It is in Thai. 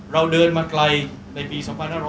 เราเดินมาไกลในปี๒๕๖๐